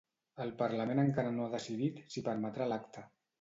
El parlament encara no ha decidit si permetrà l’acte.